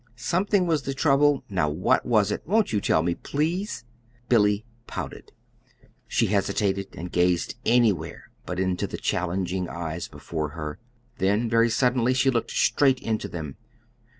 Something was the trouble. Now what was it? Won't you tell me, please?" Billy pouted. She hesitated and gazed anywhere but into the challenging eyes before her. Then very suddenly she looked straight into them.